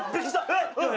えっ？